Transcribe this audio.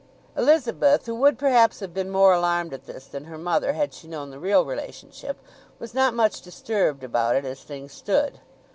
Elizabeth, who would perhaps have been more alarmed at this than her mother had she known the real relationship, was not much disturbed about it as things stood.